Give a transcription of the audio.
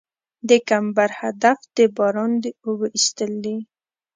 د کمبر هدف د باران د اوبو ایستل دي